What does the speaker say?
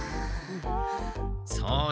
そうだ。